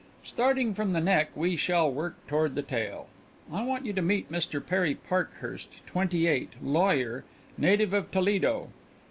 Starting from the neck we shall work toward the tail. I want you to meet Mr. Perry Parkhurst, twenty eight, lawyer, native of Toledo.